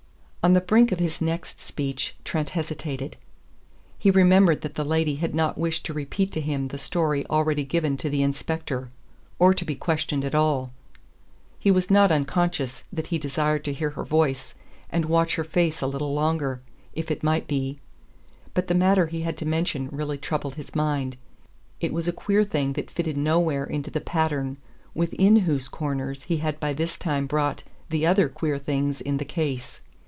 On the brink of his next speech Trent hesitated. He remembered that the lady had not wished to repeat to him the story already given to the inspector or to be questioned at all. He was not unconscious that he desired to hear her voice and watch her face a little longer, if it might be; but the matter he had to mention really troubled his mind, it was a queer thing that fitted nowhere into the pattern within whose corners he had by this time brought the other queer things in the case.